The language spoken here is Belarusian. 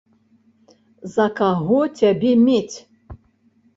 За каго цябе мець?